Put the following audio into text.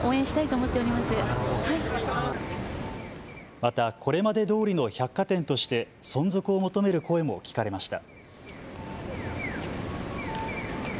また、これまでどおりの百貨店としして存続を求める声も聞かれました。